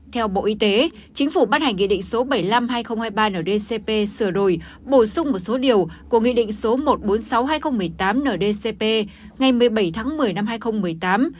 theo bộ y tế chính phủ bắt hành nghị định số bảy mươi năm hai nghìn hai mươi ba ndcp sửa đổi bổ sung một số điều của nghị định số một trăm bốn mươi sáu hai nghìn một mươi tám ndcp ngày một mươi bảy tháng một mươi năm hai nghìn một mươi tám